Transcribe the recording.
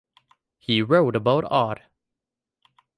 He wrote about art.